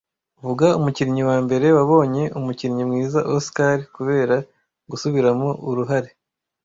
Vuga umukinnyi wa mbere wabonye umukinnyi mwiza Oscar kubera gusubiramo uruhare